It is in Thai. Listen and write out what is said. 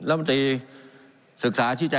การปรับปรุงทางพื้นฐานสนามบิน